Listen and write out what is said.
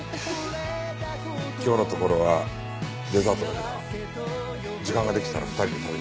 今日のところはデザートだが時間ができたら２人で食べに行こう。